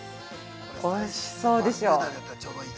おいしそうでしょう。